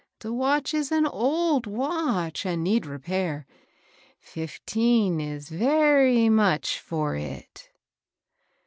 De vatch is old vatch and need repair. Fifteen is vere much for it."